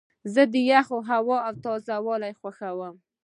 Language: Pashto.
زه د یخې هوا تازه والی خوښوم.